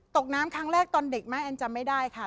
ตกน้ำครั้งแรกตอนเด็กไหมแอนจำไม่ได้ค่ะ